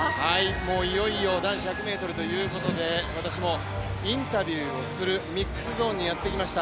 もういよいよ男子１００ｍということで私もインタビューをするミックスゾーンにやってきました。